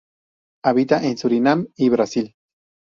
Habita en Surinam y Brasil.